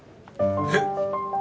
えっ！？